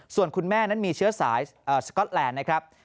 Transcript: ส่วนคุณแม่นั้นมีเชื้อสายสก๊อตแลนด์นะครับ